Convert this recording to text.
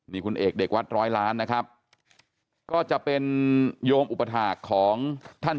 นี่คุณเอกเด็กวัดร้อยล้านนะครับก็จะเป็นโยมอุปถาคของท่าน